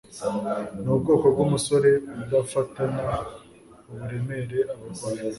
Nubwoko bwumusore udafatana uburemere abagore